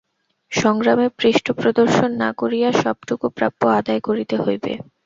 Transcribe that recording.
সংগ্রামে পৃষ্ঠপ্রদর্শন না করিয়া সবটুকু প্রাপ্য আদায় করিতে হইবে।